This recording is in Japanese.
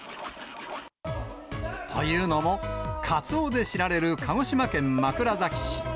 というのも、カツオで知られる鹿児島県枕崎市。